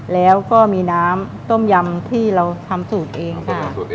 แล้วก็มีน้ำต้มยำที่เราทำสูตรเองค่ะ